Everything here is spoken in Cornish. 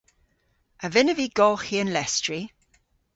A vynnav vy golghi an lestri?